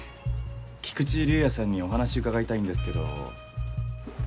菊池竜哉さんにお話伺いたいんですけど。